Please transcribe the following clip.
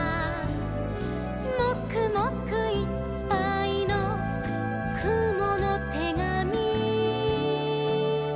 「もくもくいっぱいのくものてがみ」